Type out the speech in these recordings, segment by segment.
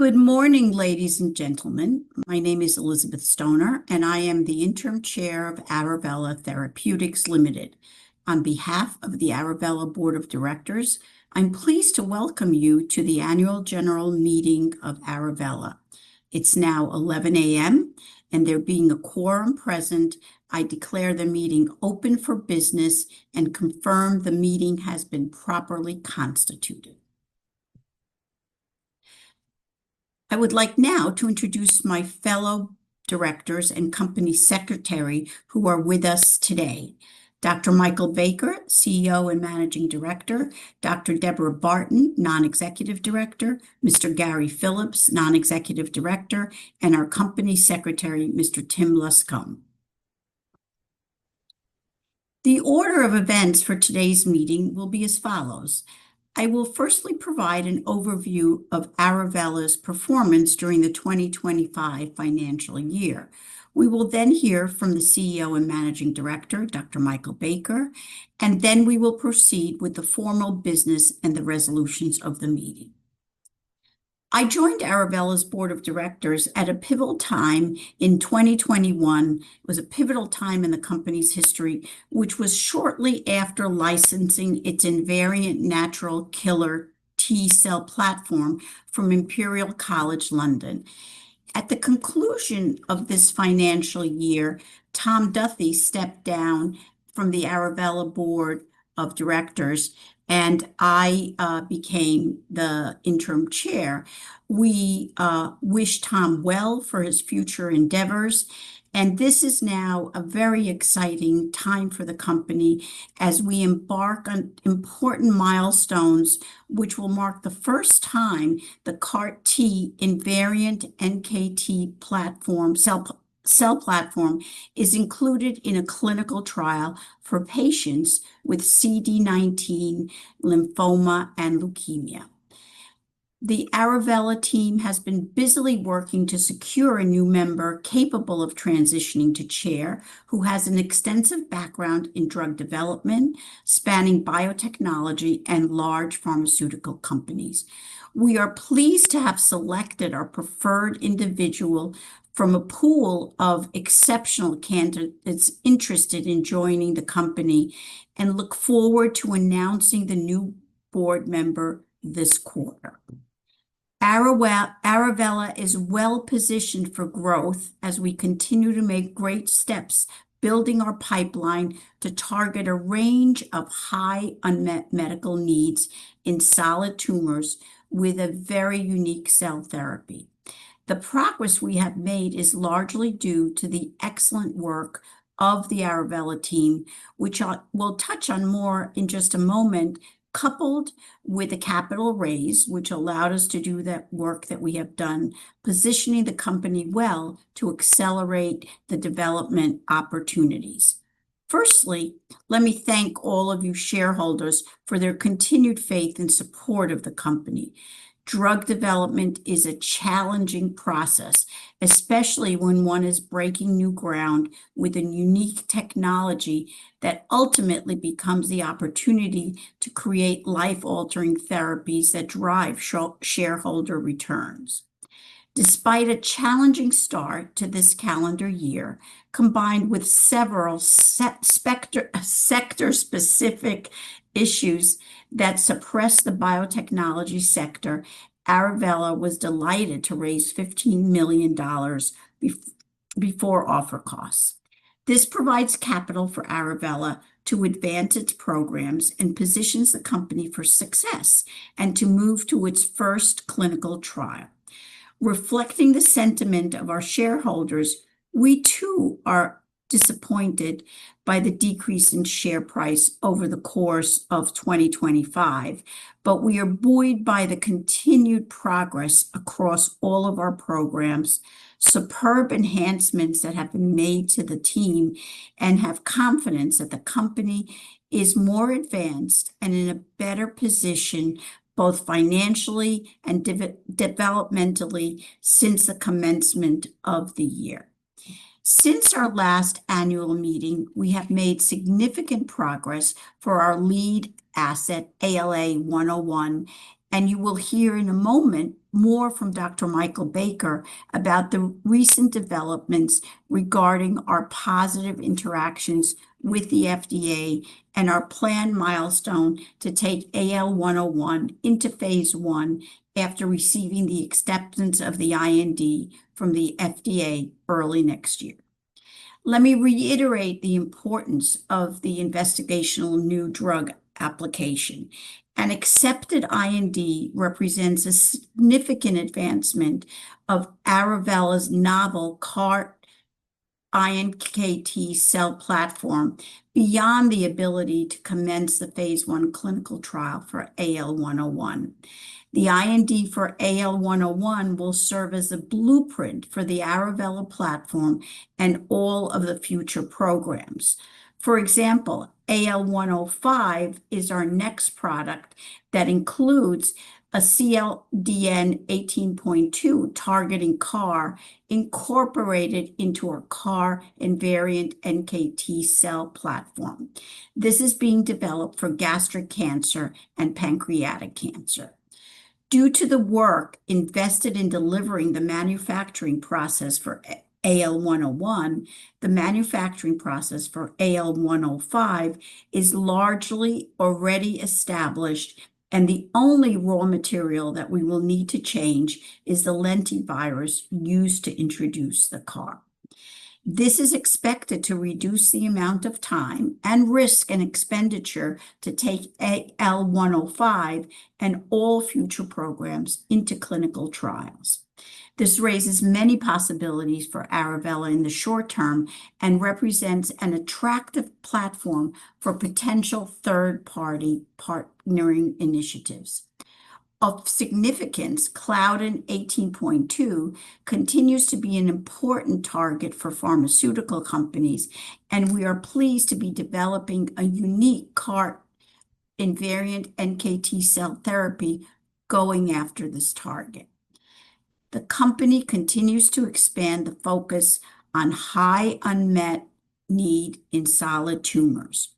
Good morning, ladies and gentlemen. My name is Elizabeth Stoner, and I am the Interim Chair of Arovella Therapeutics Ltd. On behalf of the Arovella Board of Directors, I'm pleased to welcome you to the Annual General Meeting of Arovella. It's now 11:00 A.M., and there being a quorum present, I declare the meeting open for business and confirm the meeting has been properly constituted. I would like now to introduce my fellow directors and company secretary who are with us today: Dr. Michael Baker, CEO and Managing Director; Dr. Debora Barton, Non-Executive Director; Mr. Gary Phillips, Non-Executive Director; and our company secretary, Mr. Tim Luscombe. The order of events for today's meeting will be as follows. I will firstly provide an overview of Arovella's performance during the 2025 financial year. We will then hear from the CEO and Managing Director, Dr. Michael Baker, and then we will proceed with the formal business and the resolutions of the meeting. I joined Arovella's Board of Directors at a pivotal time in 2021. It was a pivotal time in the company's history, which was shortly after licensing its invariant natural killer T cell platform from Imperial College London. At the conclusion of this financial year, Tom Duffy stepped down from the Arovella Board of Directors, and I became the Interim Chair. We wish Tom well for his future endeavors, and this is now a very exciting time for the company as we embark on important milestones which will mark the first time the CAR-iNKT cell platform is included in a clinical trial for patients with CD19 lymphoma and leukemia. The Arovella team has been busily working to secure a new member capable of transitioning to chair, who has an extensive background in drug development spanning biotechnology and large pharmaceutical companies. We are pleased to have selected our preferred individual from a pool of exceptional candidates interested in joining the company and look forward to announcing the new board member this quarter. Arovella is well positioned for growth as we continue to make great steps building our pipeline to target a range of high unmet medical needs in solid tumors with a very unique cell therapy. The progress we have made is largely due to the excellent work of the Arovella team, which I will touch on more in just a moment, coupled with a capital raise which allowed us to do that work that we have done, positioning the company well to accelerate the development opportunities. Firstly, let me thank all of you shareholders for their continued faith and support of the company. Drug development is a challenging process, especially when one is breaking new ground with a unique technology that ultimately becomes the opportunity to create life-altering therapies that drive shareholder returns. Despite a challenging start to this calendar year, combined with several sector-specific issues that suppress the biotechnology sector, Arovella was delighted to raise 15 million dollars before offer costs. This provides capital for Arovella to advance its programs and positions the company for success and to move to its first clinical trial. Reflecting the sentiment of our shareholders, we too are disappointed by the decrease in share price over the course of 2025, but we are buoyed by the continued progress across all of our programs, superb enhancements that have been made to the team, and have confidence that the company is more advanced and in a better position both financially and developmentally since the commencement of the year. Since our last annual meeting, we have made significant progress for our lead asset, ALA-101, and you will hear in a moment more from Dr. Michael Baker about the recent developments regarding our positive interactions with the FDA and our planned milestone to take ALA-101 into phase I after receiving the acceptance of the IND from the FDA early next year. Let me reiterate the importance of the investigational new drug application. An accepted IND represents a significant advancement of Arovella's novel CAR-iNKT cell platform beyond the ability to commence the phase I clinical trial for ALA-101. The IND for ALA-101 will serve as a blueprint for the Arovella platform and all of the future programs. For example, ALA-105 is our next product that includes a CLDN18.2 targeting CAR incorporated into our CAR-iNKT cell platform. This is being developed for gastric cancer and pancreatic cancer. Due to the work invested in delivering the manufacturing process for ALA-101, the manufacturing process for ALA-105 is largely already established, and the only raw material that we will need to change is the lentivirus used to introduce the CAR. This is expected to reduce the amount of time and risk and expenditure to take ALA-105 and all future programs into clinical trials. This raises many possibilities for Arovella in the short term and represents an attractive platform for potential third-party partnering initiatives. Of significance, Claudin 18.2 continues to be an important target for pharmaceutical companies, and we are pleased to be developing a unique CAR invariant NKT cell therapy going after this target. The company continues to expand the focus on high unmet need in solid tumors.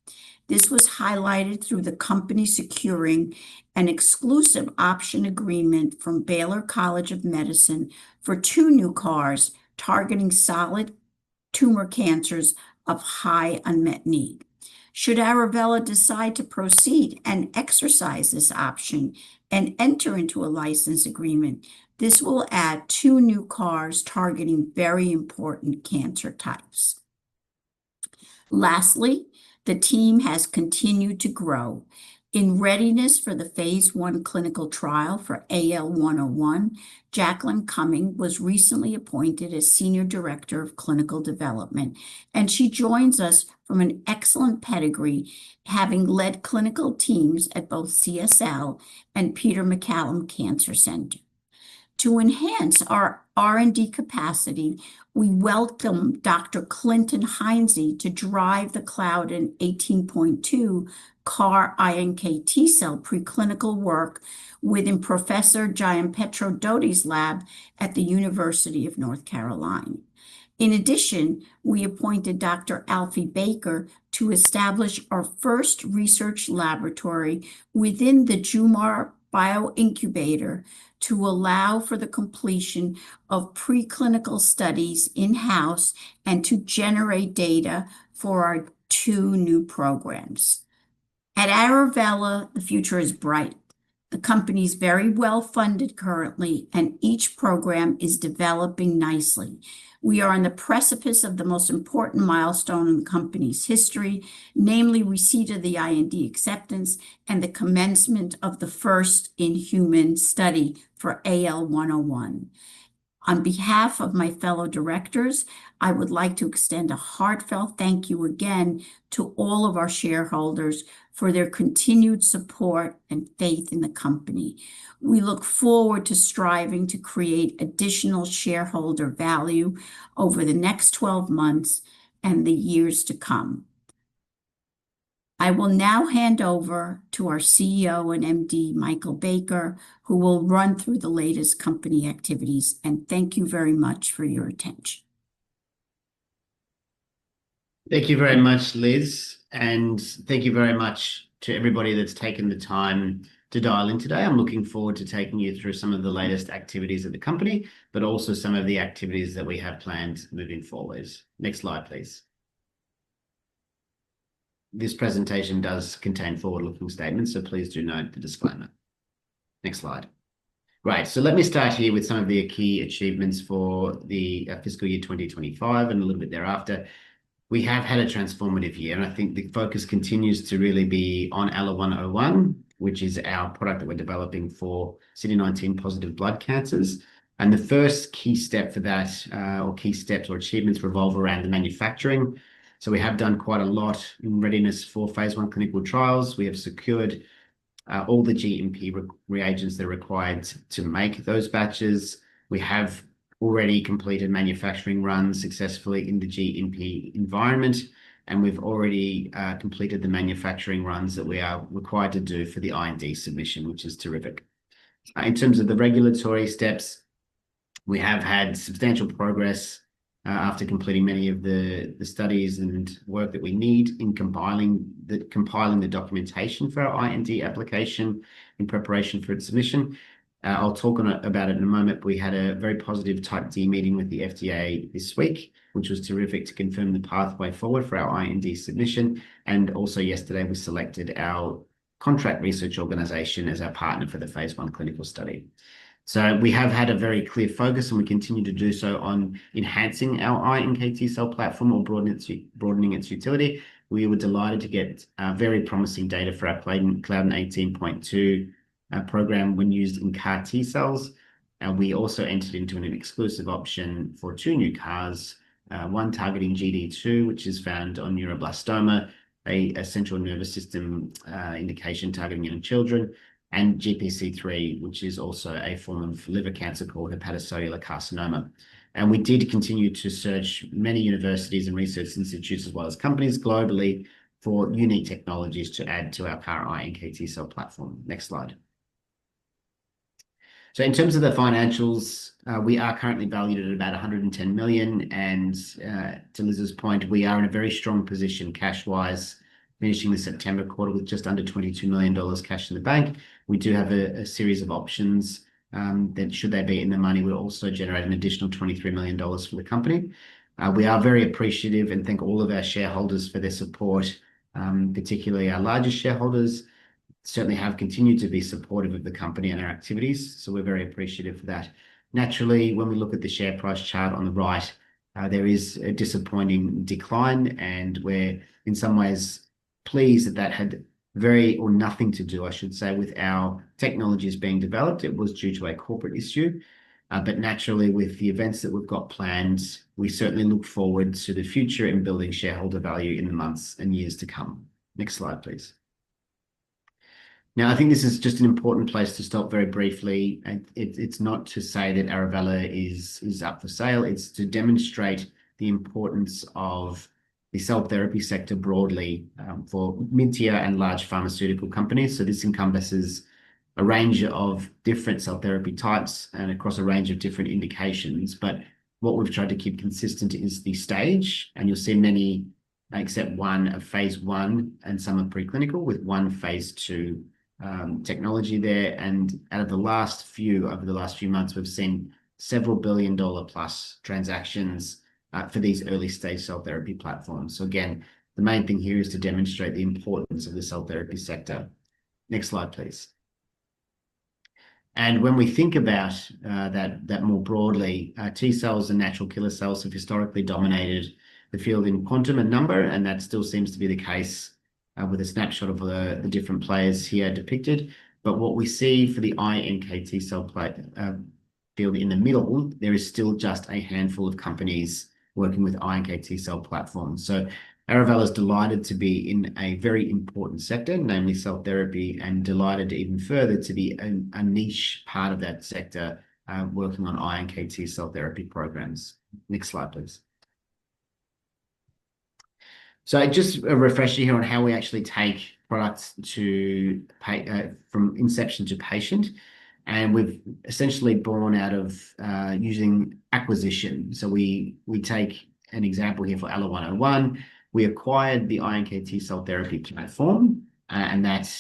This was highlighted through the company securing an exclusive option agreement from Baylor College of Medicine for two new CARs targeting solid tumor cancers of high unmet need. Should Arovella decide to proceed and exercise this option and enter into a license agreement, this will add two new CARs targeting very important cancer types. Lastly, the team has continued to grow. In readiness for the phase I clinical trial for ALA-101, Jacqueline Cumming was recently appointed as Senior Director of Clinical Development, and she joins us from an excellent pedigree, having led clinical teams at both CSL and Peter MacCallum Cancer Centre. To enhance our R&D capacity, we welcome Dr. Clinton Heinze to drive the Claudin 18.2 CAR-iNKT cell preclinical work within Professor Gianpietro Dotti's lab at the University of North Carolina. In addition, we appointed Dr. Alfie Baker to establish our first research laboratory within the Jumar Bioincubator to allow for the completion of preclinical studies in-house and to generate data for our two new programs. At Arovella, the future is bright. The company is very well funded currently, and each program is developing nicely. We are on the precipice of the most important milestone in the company's history, namely receipt of the IND acceptance and the commencement of the first-in-human study for ALA-101. On behalf of my fellow directors, I would like to extend a heartfelt thank you again to all of our shareholders for their continued support and faith in the company. We look forward to striving to create additional shareholder value over the next 12 months and the years to come. I will now hand over to our CEO and MD, Michael Baker, who will run through the latest company activities, and thank you very much for your attention. Thank you very much, Liz, and thank you very much to everybody that's taken the time to dial in today. I'm looking forward to taking you through some of the latest activities of the company, but also some of the activities that we have planned moving forward. Next slide, please. This presentation does contain forward-looking statements, so please do note the disclaimer. Next slide. Right, so let me start here with some of the key achievements for the fiscal year 2025 and a little bit thereafter. We have had a transformative year, and I think the focus continues to really be on ALA-101, which is our product that we're developing for CD19-positive blood cancers. And the first key step for that, or key steps or achievements, revolve around the manufacturing. So we have done quite a lot in readiness for phase I clinical trials. We have secured all the GMP reagents that are required to make those batches. We have already completed manufacturing runs successfully in the GMP environment, and we've already completed the manufacturing runs that we are required to do for the IND submission, which is terrific. In terms of the regulatory steps, we have had substantial progress after completing many of the studies and work that we need in compiling the documentation for our IND application in preparation for its submission. I'll talk about it in a moment. We had a very positive Type D meeting with the FDA this week, which was terrific to confirm the pathway forward for our IND submission, and also yesterday, we selected our contract research organization as our partner for the phase I clinical study. So we have had a very clear focus, and we continue to do so on enhancing our iNKT cell platform or broadening its utility. We were delighted to get very promising data for our Claudin 18.2 program when used in CAR T cells. And we also entered into an exclusive option for two new CARs, one targeting GD2, which is found on neuroblastoma, a central nervous system indication targeting young children, and GPC3, which is also a form of liver cancer called hepatocellular carcinoma. And we did continue to search many universities and research institutes as well as companies globally for unique technologies to add to our CAR-iNKT cell platform. Next slide. In terms of the financials, we are currently valued at about 110 million, and to Liz's point, we are in a very strong position cash-wise, finishing the September quarter with just under 22 million dollars cash in the bank. We do have a series of options that, should they be in the money, we'll also generate an additional 23 million dollars for the company. We are very appreciative and thank all of our shareholders for their support, particularly our largest shareholders certainly have continued to be supportive of the company and our activities, so we're very appreciative for that. Naturally, when we look at the share price chart on the right, there is a disappointing decline, and we're in some ways pleased that that had very little or nothing to do, I should say, with our technologies being developed. It was due to a corporate issue, but naturally, with the events that we've got planned, we certainly look forward to the future in building shareholder value in the months and years to come. Next slide, please. Now, I think this is just an important place to stop very briefly. It's not to say that Arovella is up for sale. It's to demonstrate the importance of the cell therapy sector broadly for mid-tier and large pharmaceutical companies. So this encompasses a range of different cell therapy types and across a range of different indications, but what we've tried to keep consistent is the stage, and you'll see many except one of phase I and some are preclinical with one phase II technology there. Out of the last few, over the last few months, we've seen several billion dollar plus transactions for these early stage cell therapy platforms. So again, the main thing here is to demonstrate the importance of the cell therapy sector. Next slide, please. And when we think about that more broadly, T cells and natural killer cells have historically dominated the field in quantity and number, and that still seems to be the case with a snapshot of the different players here depicted. But what we see for the iNKT cell field in the middle, there is still just a handful of companies working with iNKT cell platforms. So Arovella is delighted to be in a very important sector, namely cell therapy, and delighted even further to be a niche part of that sector working on iNKT cell therapy programs. Next slide, please. So just a refresher here on how we actually take products from inception to patient, and we've essentially borne out of using acquisition. So we take an example here for ALA-101. We acquired the iNKT cell therapy platform, and that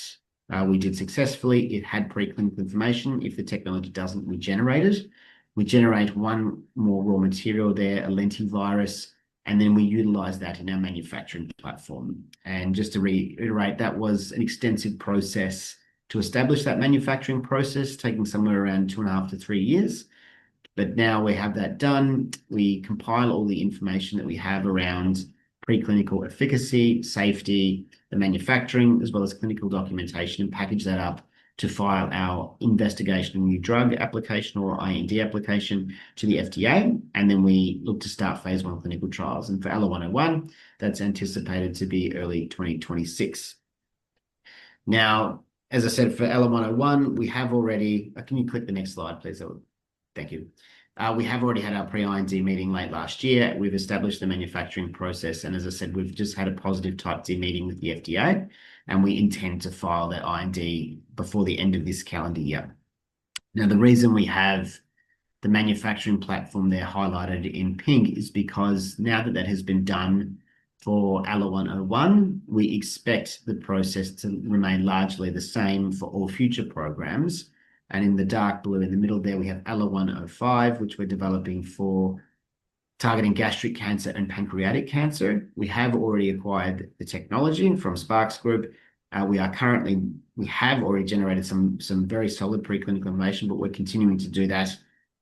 we did successfully. It had preclinical information. If the technology doesn't, we generate it. We generate one more raw material there, a lentivirus, and then we utilize that in our manufacturing platform, and just to reiterate, that was an extensive process to establish that manufacturing process, taking somewhere around two and a half to three years, but now we have that done. We compile all the information that we have around preclinical efficacy, safety, the manufacturing, as well as clinical documentation, and package that up to file our investigational new drug application or IND application to the FDA, and then we look to start phase I clinical trials, and for ALA-101, that's anticipated to be early 2026. Now, as I said, for ALA-101, we have already. Can you click the next slide, please? Thank you. We have already had our pre-IND meeting late last year. We've established the manufacturing process, and as I said, we've just had a positive Type D meeting with the FDA, and we intend to file that IND before the end of this calendar year. Now, the reason we have the manufacturing platform there highlighted in pink is because now that that has been done for ALA-101, we expect the process to remain largely the same for all future programs. And in the dark blue in the middle there, we have ALA-105, which we're developing for targeting gastric cancer and pancreatic cancer. We have already acquired the technology from SparX Group. We have already generated some very solid preclinical information, but we're continuing to do that,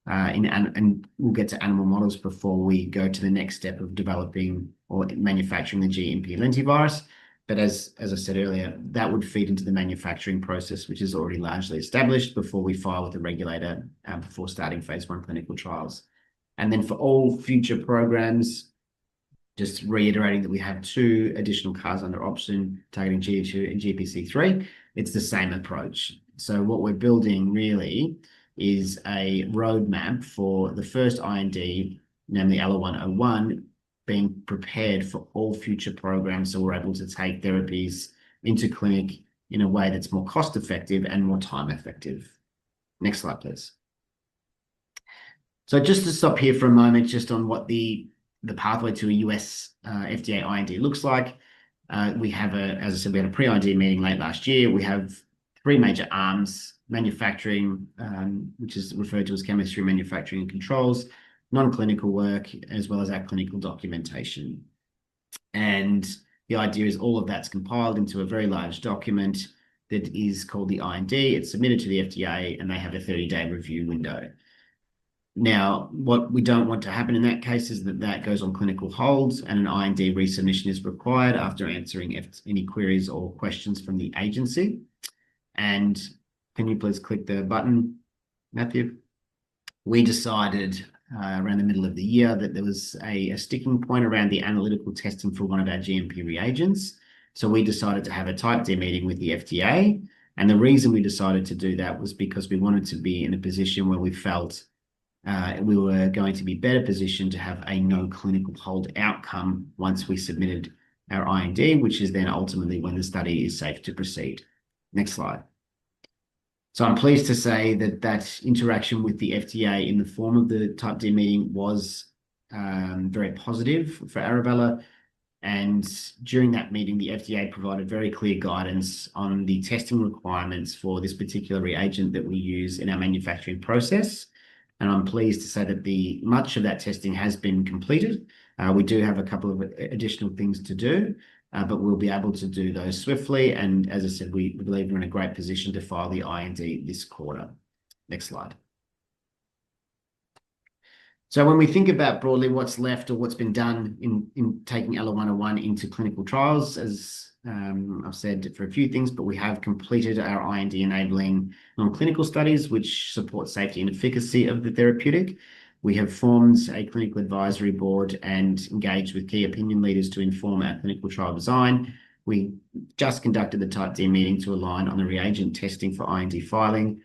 and we'll get to animal models before we go to the next step of developing or manufacturing the GMP lentivirus. But as I said earlier, that would feed into the manufacturing process, which is already largely established before we file with the regulator and before starting phase I clinical trials. And then for all future programs, just reiterating that we have two additional CARs under option targeting GPC3, it's the same approach. So what we're building really is a roadmap for the first IND, namely ALA-101, being prepared for all future programs so we're able to take therapies into clinic in a way that's more cost-effective and more time-effective. Next slide, please. So just to stop here for a moment just on what the pathway to a U.S. FDA IND looks like. As I said, we had a pre-IND meeting late last year. We have three major arms: manufacturing, which is referred to as Chemistry, Manufacturing, and Controls, non-clinical work, as well as our clinical documentation. The idea is all of that's compiled into a very large document that is called the IND. It's submitted to the FDA, and they have a 30-day review window. Now, what we don't want to happen in that case is that that goes on clinical holds and an IND resubmission is required after answering any queries or questions from the agency. Can you please click the button, Matthew? We decided around the middle of the year that there was a sticking point around the analytical testing for one of our GMP reagents. So we decided to have a Type D meeting with the FDA. The reason we decided to do that was because we wanted to be in a position where we felt we were going to be better positioned to have a no clinical hold outcome once we submitted our IND, which is then ultimately when the study is safe to proceed. Next slide. I'm pleased to say that that interaction with the FDA in the form of the Type D meeting was very positive for Arovella. During that meeting, the FDA provided very clear guidance on the testing requirements for this particular reagent that we use in our manufacturing process. I'm pleased to say that much of that testing has been completed. We do have a couple of additional things to do, but we'll be able to do those swiftly. As I said, we believe we're in a great position to file the IND this quarter. Next slide. So when we think about broadly what's left or what's been done in taking ALA-101 into clinical trials, as I've said, for a few things, but we have completed our IND-enabling non-clinical studies, which supports safety and efficacy of the therapeutic. We have formed a clinical advisory board and engaged with key opinion leaders to inform our clinical trial design. We just conducted the Type D meeting to align on the reagent testing for IND filing.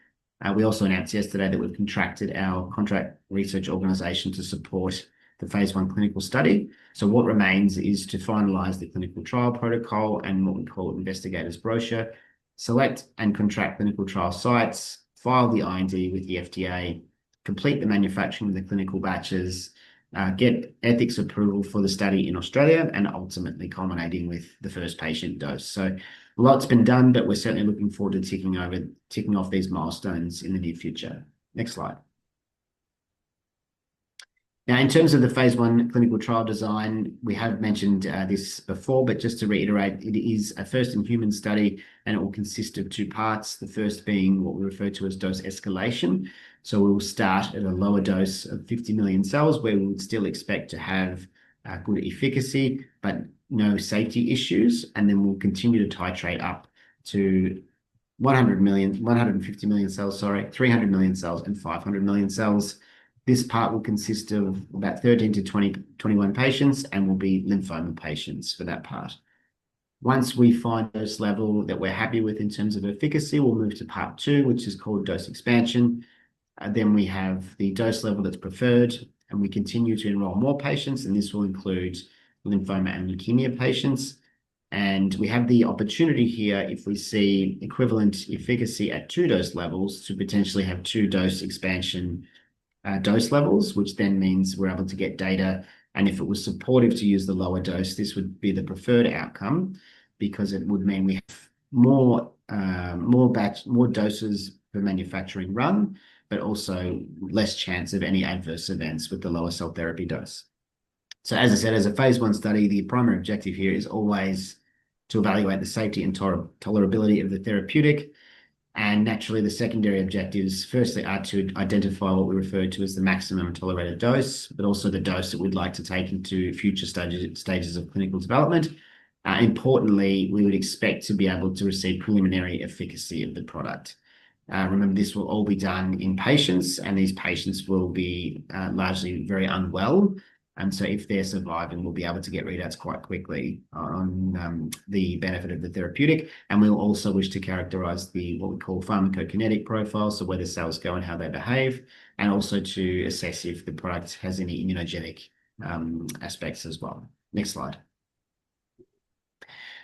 We also announced yesterday that we've contracted our contract research organization to support the phase I clinical study. So what remains is to finalize the clinical trial protocol and what we call Investigator's Brochure, select and contract clinical trial sites, file the IND with the FDA, complete the manufacturing of the clinical batches, get ethics approval for the study in Australia, and ultimately culminating with the first patient dose. A lot's been done, but we're certainly looking forward to ticking off these milestones in the near future. Next slide. Now, in terms of the phase I clinical trial design, we have mentioned this before, but just to reiterate, it is a first-in-human study, and it will consist of two parts, the first being what we refer to as dose escalation. We will start at a lower dose of 50 million cells, where we would still expect to have good efficacy, but no safety issues, and then we'll continue to titrate up to 100 million, 150 million cells, sorry, 300 million cells, and 500 million cells. This part will consist of about 13-21 patients and will be lymphoma patients for that part. Once we find a dose level that we're happy with in terms of efficacy, we'll move to part two, which is called dose expansion. Then we have the dose level that's preferred, and we continue to enroll more patients, and this will include lymphoma and leukemia patients. And we have the opportunity here, if we see equivalent efficacy at two dose levels, to potentially have two dose expansion dose levels, which then means we're able to get data. And if it was supportive to use the lower dose, this would be the preferred outcome because it would mean we have more doses per manufacturing run, but also less chance of any adverse events with the lower cell therapy dose. So as I said, as a phase I study, the primary objective here is always to evaluate the safety and tolerability of the therapeutic. Naturally, the secondary objectives firstly are to identify what we refer to as the maximum tolerated dose, but also the dose that we'd like to take into future stages of clinical development. Importantly, we would expect to be able to receive preliminary efficacy of the product. Remember, this will all be done in patients, and these patients will be largely very unwell. If they're surviving, we'll be able to get readouts quite quickly on the benefit of the therapeutic. We'll also wish to characterize what we call pharmacokinetic profiles, so where the cells go and how they behave, and also to assess if the product has any immunogenic aspects as well. Next slide.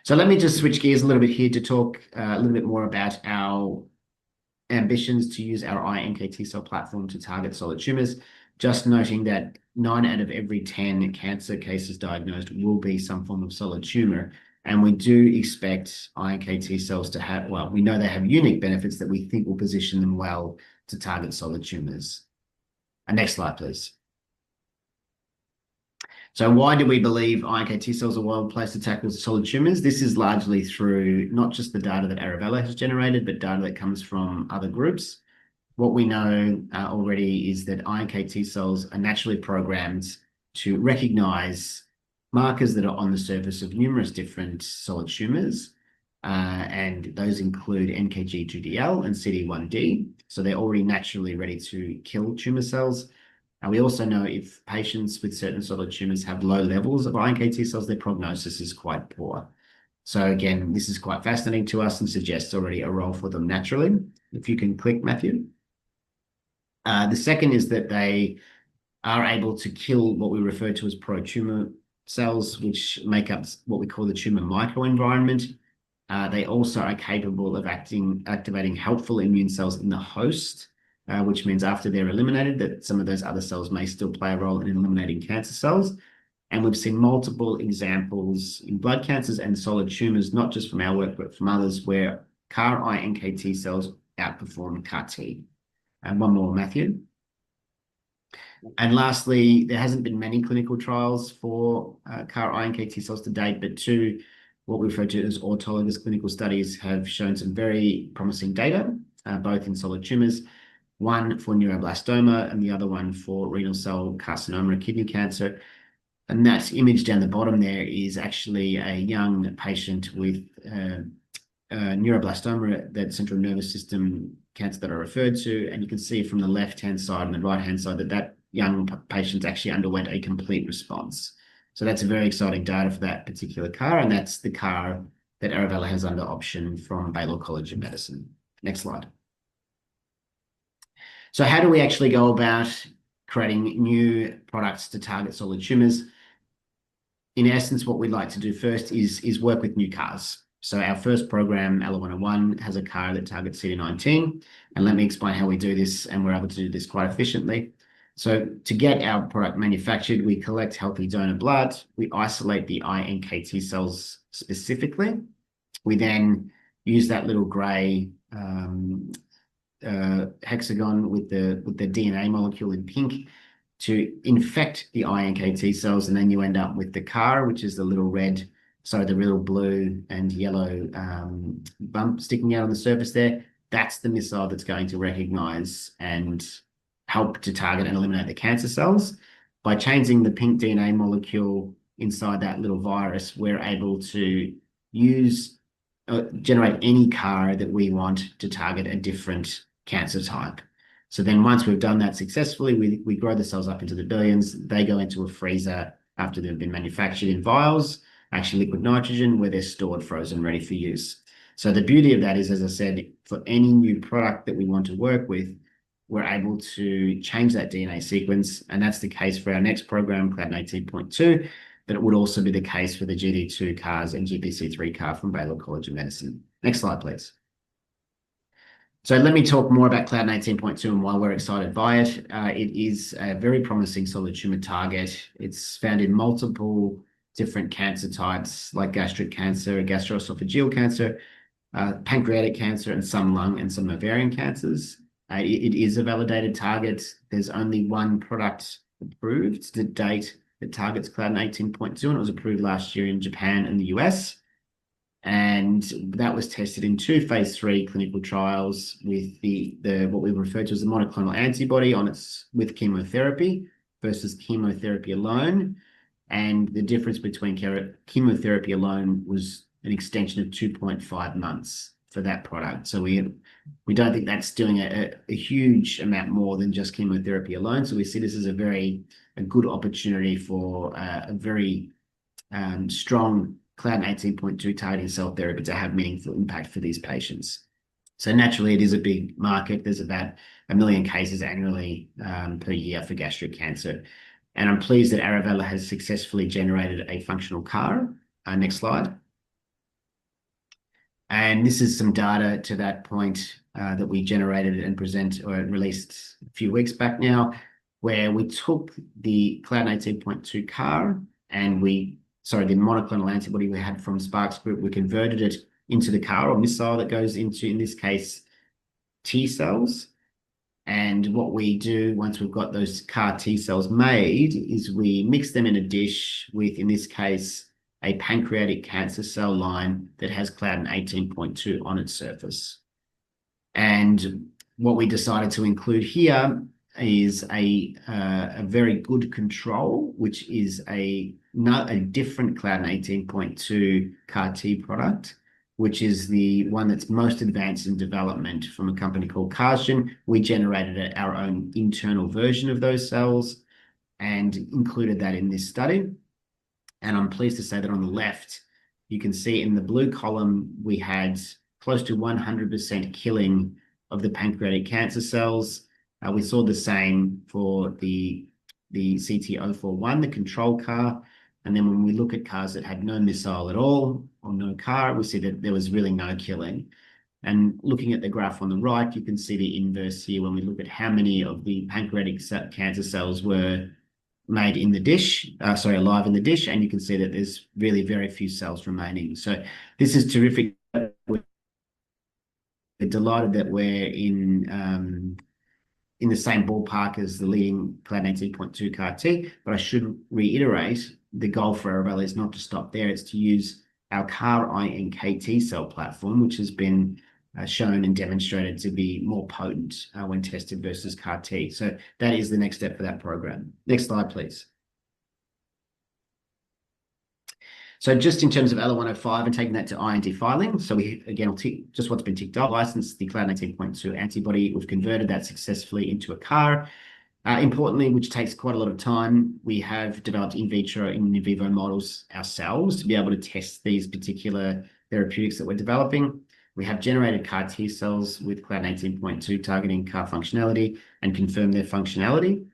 Let me just switch gears a little bit here to talk a little bit more about our ambitions to use our iNKT cell platform to target solid tumors. Just noting that nine out of every 10 cancer cases diagnosed will be some form of solid tumor, and we do expect iNKT cells to have, well, we know they have unique benefits that we think will position them well to target solid tumors. Next slide, please. So why do we believe iNKT cells are well placed to tackle solid tumors? This is largely through not just the data that Arovella has generated, but data that comes from other groups. What we know already is that iNKT cells are naturally programmed to recognize markers that are on the surface of numerous different solid tumors, and those include NKG2DL and CD1d. So they're already naturally ready to kill tumor cells. And we also know if patients with certain solid tumors have low levels of iNKT cells, their prognosis is quite poor. So again, this is quite fascinating to us and suggests already a role for them naturally. If you can click, Matthew. The second is that they are able to kill what we refer to as pro-tumor cells, which make up what we call the tumor microenvironment. They also are capable of activating helpful immune cells in the host, which means after they're eliminated, that some of those other cells may still play a role in eliminating cancer cells. And we've seen multiple examples in blood cancers and solid tumors, not just from our work, but from others, where CAR-iNKT cells outperform CAR-T. And one more, Matthew. Lastly, there haven't been many clinical trials for CAR-iNKT cells to date, but two, what we refer to as autologous clinical studies have shown some very promising data, both in solid tumors, one for neuroblastoma and the other one for renal cell carcinoma or kidney cancer. That image down the bottom there is actually a young patient with neuroblastoma, that central nervous system cancer that's referred to. You can see from the left-hand side and the right-hand side that that young patient actually underwent a complete response. That's very exciting data for that particular CAR, and that's the CAR that Arovella has under option from Baylor College of Medicine. Next slide. How do we actually go about creating new products to target solid tumors? In essence, what we'd like to do first is work with new CARs. Our first program, ALA-101, has a CAR that targets CD19. Let me explain how we do this, and we're able to do this quite efficiently. To get our product manufactured, we collect healthy donor blood. We isolate the iNKT cells specifically. We then use that little gray hexagon with the DNA molecule in pink to infect the iNKT cells, and then you end up with the CAR, which is the little red, sorry, the little blue and yellow bump sticking out on the surface there. That's the missile that's going to recognize and help to target and eliminate the cancer cells. By changing the pink DNA molecule inside that little virus, we're able to generate any CAR that we want to target a different cancer type. Then once we've done that successfully, we grow the cells up into the billions. They go into a freezer after they've been manufactured in vials, actually liquid nitrogen, where they're stored frozen ready for use, so the beauty of that is, as I said, for any new product that we want to work with, we're able to change that DNA sequence, and that's the case for our next program, Claudin 18.2, but it would also be the case for the GD2 CARs and GPC3 CAR from Baylor College of Medicine. Next slide, please, so let me talk more about Claudin 18.2 and why we're excited by it. It is a very promising solid tumor target. It's found in multiple different cancer types, like gastric cancer, gastroesophageal cancer, pancreatic cancer, and some lung and some ovarian cancers. It is a validated target. There's only one product approved to date that targets Claudin 18.2, and it was approved last year in Japan and the U.S.. And that was tested in two phase III clinical trials with what we refer to as a monoclonal antibody with chemotherapy versus chemotherapy alone. And the difference between chemotherapy alone was an extension of 2.5 months for that product. So we don't think that's doing a huge amount more than just chemotherapy alone. So we see this as a very good opportunity for a very strong Claudin 18.2 targeting cell therapy to have meaningful impact for these patients. So naturally, it is a big market. There's about a million cases annually per year for gastric cancer. And I'm pleased that Arovella has successfully generated a functional CAR. Next slide. This is some data to that point that we generated and present or released a few weeks back now, where we took the monoclonal antibody we had from SparX Group, we converted it into the CAR molecule that goes into, in this case, T cells. What we do once we've got those CAR T cells made is we mix them in a dish with, in this case, a pancreatic cancer cell line that has Claudin 18.2 on its surface. What we decided to include here is a very good control, which is a different Claudin 18.2 CAR-T product, which is the one that's most advanced in development from a company called CARsgen. We generated our own internal version of those cells and included that in this study. And I'm pleased to say that on the left, you can see in the blue column, we had close to 100% killing of the pancreatic cancer cells. We saw the same for the CT041, the control CAR. And then when we look at CARs that had no CAR at all or no CAR, we see that there was really no killing. And looking at the graph on the right, you can see the inverse here when we look at how many of the pancreatic cancer cells were made in the dish, sorry, alive in the dish. And you can see that there's really very few cells remaining. So this is terrific. We're delighted that we're in the same ballpark as the leading Claudin 18.2 CAR-T. But I should reiterate, the goal for Arovella is not to stop there. It's to use our CAR-iNKT cell platform, which has been shown and demonstrated to be more potent when tested versus CAR-T. So that is the next step for that program. Next slide, please. So just in terms of ALA-105 and taking that to IND filing. So we again will tick just what's been ticked off. Licensed the Claudin 18.2 antibody. We've converted that successfully into a CAR. Importantly, which takes quite a lot of time, we have developed in vitro and in vivo models ourselves to be able to test these particular therapeutics that we're developing. We have generated CAR-T cells with Claudin 18.2 targeting CAR functionality and confirmed their functionality.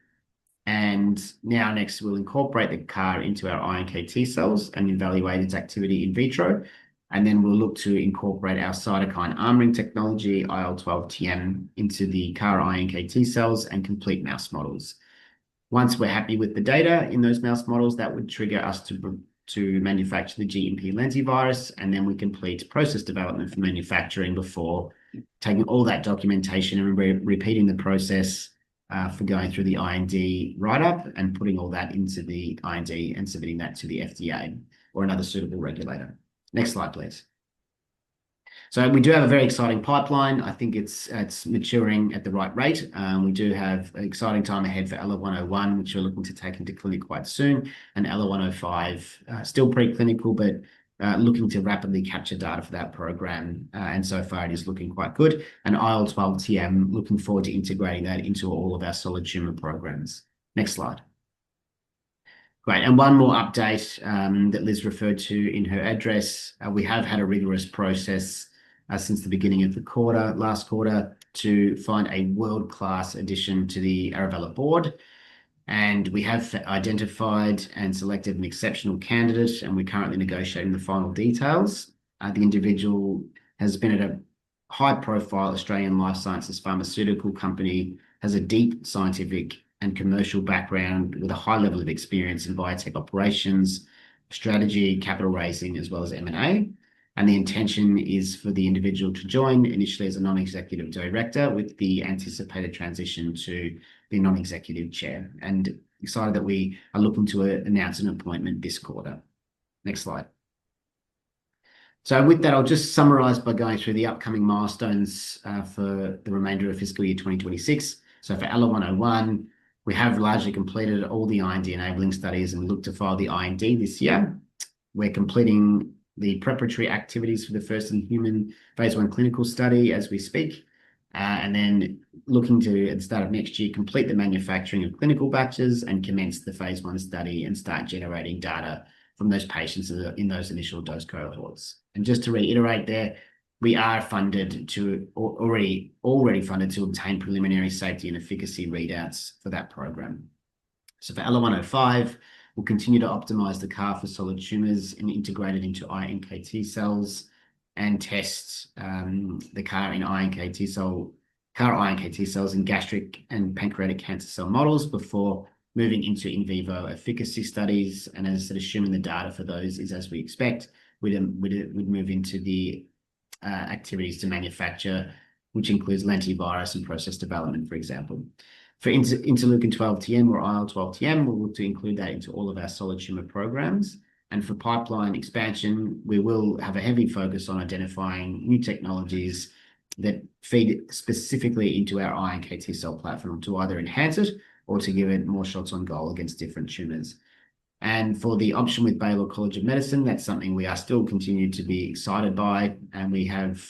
And now next, we'll incorporate the CAR into our iNKT cells and evaluate its activity in vitro. And then we'll look to incorporate our cytokine armoring technology, IL-12-TM, into the CAR-iNKT cells and complete mouse models. Once we're happy with the data in those mouse models, that would trigger us to manufacture the GMP lentivirus. And then we complete process development for manufacturing before taking all that documentation and repeating the process for going through the IND write-up and putting all that into the IND and submitting that to the FDA or another suitable regulator. Next slide, please. So we do have a very exciting pipeline. I think it's maturing at the right rate. We do have an exciting time ahead for ALA-101, which we're looking to take into clinic quite soon. And ALA-105, still preclinical, but looking to rapidly capture data for that program. And so far, it is looking quite good. And IL-12-TM, looking forward to integrating that into all of our solid tumor programs. Next slide. Great. And one more update that Liz referred to in her address. We have had a rigorous process since the beginning of the quarter, last quarter, to find a world-class addition to the Arovella board. And we have identified and selected an exceptional candidate, and we're currently negotiating the final details. The individual has been at a high-profile Australian life sciences pharmaceutical company, has a deep scientific and commercial background with a high level of experience in biotech operations, strategy, capital raising, as well as M&A. And the intention is for the individual to join initially as a non-executive director with the anticipated transition to the non-executive chair. And excited that we are looking to announce an appointment this quarter. Next slide. So with that, I'll just summarize by going through the upcoming milestones for the remainder of fiscal year 2026. So for ALA-101, we have largely completed all the IND enabling studies and looked to file the IND this year. We're completing the preparatory activities for the first-in-human phase I clinical study as we speak. And then looking to, at the start of next year, complete the manufacturing of clinical batches and commence the phase I study and start generating data from those patients in those initial dose cohorts. And just to reiterate there, we are funded to already funded to obtain preliminary safety and efficacy readouts for that program. So for ALA-105, we'll continue to optimize the CAR for solid tumors and integrate it into iNKT cells and test the CAR in iNKT cells in gastric and pancreatic cancer cell models before moving into in vivo efficacy studies. And as I said, assuming the data for those is as we expect, we would move into the activities to manufacture, which includes lentivirus and process development, for example. For IL-12-TM, we'll look to include that into all of our solid tumor programs. And for pipeline expansion, we will have a heavy focus on identifying new technologies that feed specifically into our iNKT cell platform to either enhance it or to give it more shots on goal against different tumors. And for the option with Baylor College of Medicine, that's something we are still continuing to be excited by. And we have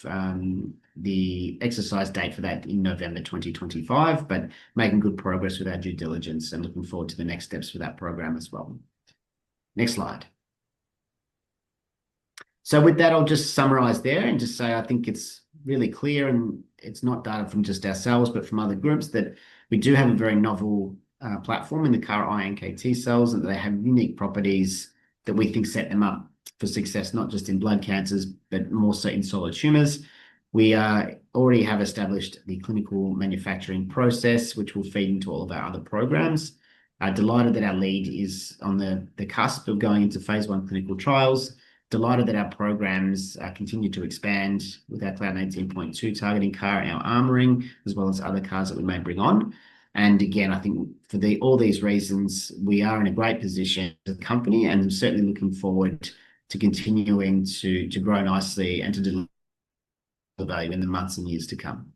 the exercise date for that in November 2025, but making good progress with our due diligence and looking forward to the next steps for that program as well. Next slide. So with that, I'll just summarize there and just say I think it's really clear, and it's not data from just ourselves, but from other groups, that we do have a very novel platform in the CAR-iNKT cells and that they have unique properties that we think set them up for success, not just in blood cancers, but more so in solid tumors. We already have established the clinical manufacturing process, which will feed into all of our other programs. Delighted that our lead is on the cusp of going into phase I clinical trials. Delighted that our programs continue to expand with our Claudin 18.2 targeting CAR and our armoring, as well as other CARs that we may bring on. And again, I think for all these reasons, we are in a great position as a company and certainly looking forward to continuing to grow nicely and to deliver value in the months and years to come.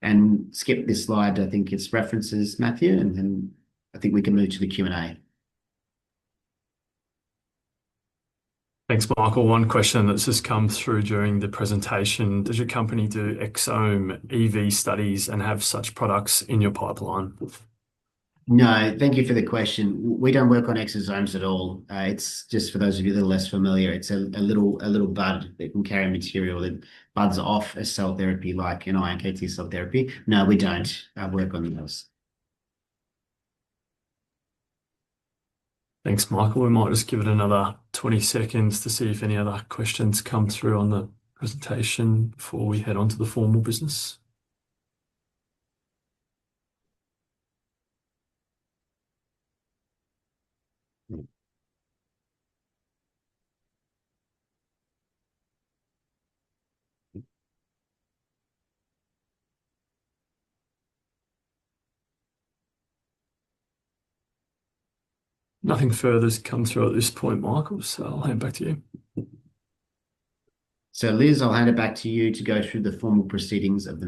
And skip this slide. I think it's references, Matthew, and then I think we can move to the Q&A. Thanks, Michael. One question that's just come through during the presentation. Does your company do exosome EV studies and have such products in your pipeline? No, thank you for the question. We don't work on exosomes at all. It's just for those of you that are less familiar, it's a little bud that can carry material that buds off a cell therapy like an iNKT cell therapy. No, we don't work on those. Thanks, Michael. We might just give it another 20 seconds to see if any other questions come through on the presentation before we head on to the formal business. Nothing further has come through at this point, Michael, so I'll hand it back to you. So Liz, I'll hand it back to you to go through the formal proceedings of.